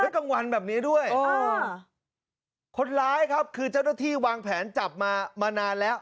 กลางวันแบบนี้ด้วยคนร้ายครับคือเจ้าหน้าที่วางแผนจับมามานานแล้ว